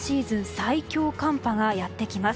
最強寒波がやってきます。